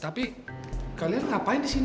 tapi kalian ngapain di sini